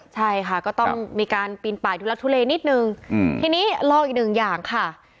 ใช่ค่ะก็ต้องมีการปีนป่ายทุลักทุเลนิดนึงทีนี้ลองอีกหนึ่งอย่างค่ะ